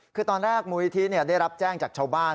คือตอนแรกมูลนิธิได้รับแจ้งจากชาวบ้าน